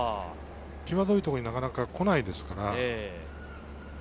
際どいところになかなか来ないですから。